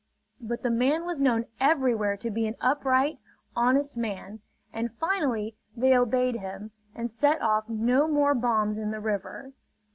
But the man was known everywhere to be an upright, honest man, and finally they obeyed him and set off no more bombs in the river.